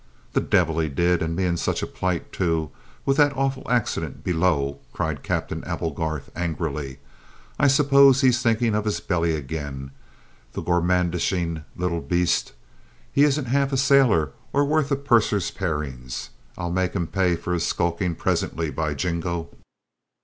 "The devil he did, and me in such a plight, too, with that awful accident below!" cried Captain Applegarth angrily. "I suppose he's thinking of his belly again, the gourmandising little beast! He isn't half a sailor or worth a purser's parings! I'll make him pay for his skulking presently, by Jingo!